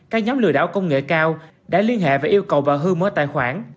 các nhóm lừa đảo công nghệ cao đã liên hệ và yêu cầu bà hương mở tài khoản